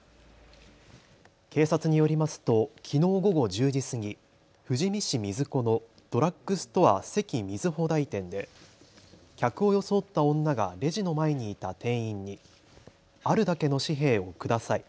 警察によりますときのう午後１０時過ぎ富士見市水子のドラッグストアセキみずほ台店で客を装った女がレジの前にいた店員にあるだけの紙幣をください。